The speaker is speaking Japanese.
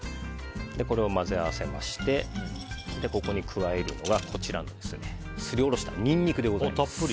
これを混ぜ合わせましてここに加えるのがすりおろしたニンニクです。